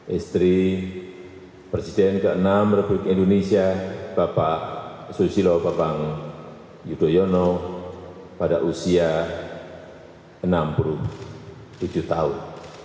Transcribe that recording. istri presiden ke enam republik indonesia bapak susilo bambang yudhoyono pada usia enam puluh tujuh tahun